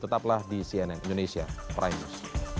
tetaplah di cnn indonesia prime news